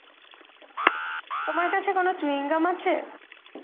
তোমার কাছে কোন চুইংগাম আছে?